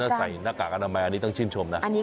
ถ้าใส่หน้ากากอนามัยอันนี้ต้องชื่นชมนะ